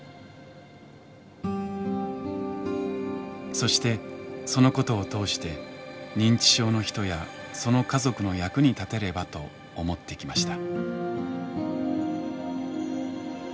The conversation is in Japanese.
そしてそのことを通して認知症の人やその家族の役に立てればと思ってきました。